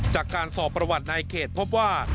จากการสอบประวัติในเขตพบว่า